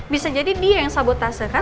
bisa jadi dia yang sabotase kan